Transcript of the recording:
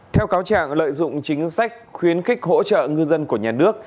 theo cáo trạng lợi dụng chính sách khuyến khích hỗ trợ ngư dân của nhà nước